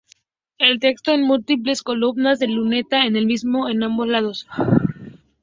El texto en múltiples columnas de la luneta es el mismo en ambos lados.